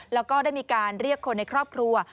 แล้วก็ได้มีการเรียกคนในครอบครัว